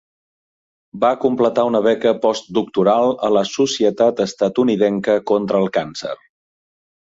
Va completar una beca post-doctoral a la Societat Estatunidenca contra el Càncer.